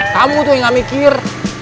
tamu tuh yang gak mikir